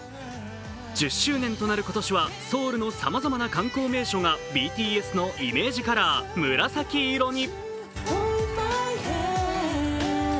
１０周年となる今年はソウルのさまざまな観光名所がＢＴＳのイメージカラー、紫色に。